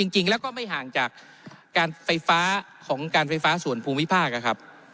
จริงแล้วก็ไม่ห่างจากการไฟฟ้าของการไฟฟ้าส่วนภูมิภาคนะครับ